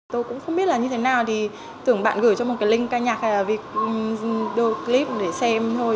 tôi cũng không biết là như thế nào thì tưởng bạn gửi cho một cái link ca nhạc hay là vì đôi clip để xem thôi